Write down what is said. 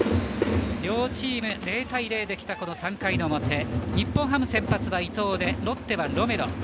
両チーム、０対０できたこの３回の表日本ハム先発は伊藤でロッテはロメロ。